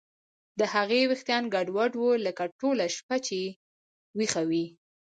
د هغې ویښتان ګډوډ وو لکه ټوله شپه چې ویښه وي